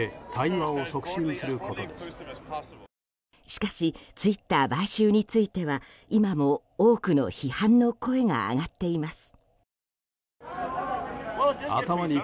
しかしツイッター買収については今も多くの批判の声が上がっています。